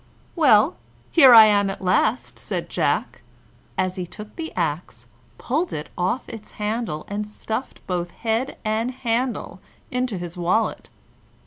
"Well, here I am at last," said Jack, as he took the axe, pulled it off its handle, and stuffed both head and handle into his wallet.